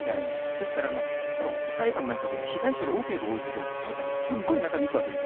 ですから、裁判なんかでも、被害者が多ければ多いほど、裁判はすごい長引くわけです。